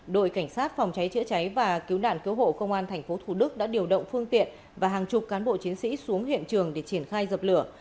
đội cảnh sát phòng cháy chữa cháy và cứu nạn cứu hộ công an tp thủ đức đã điều động phương tiện và hàng chục cán bộ chiến sĩ xuống hiện trường để triển khai dập lửa